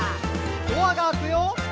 「ドアが開くよ」